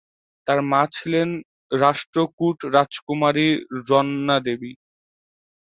তার মা ছিলেন রাষ্ট্রকূট রাজকুমারী রণ্ণাদেবী।